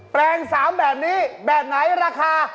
แปลง๓แบบนี้แบบไหนราคา